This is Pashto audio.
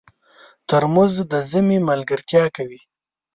ترموز د ژمي ملګرتیا کوي.